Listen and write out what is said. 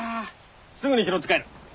すぐに拾って帰る。